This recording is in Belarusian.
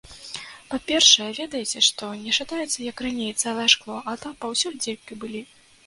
Па-першае, ведаеце што, не шатаецца, як раней, цэлае шкло, а там паўсюль дзіркі былі.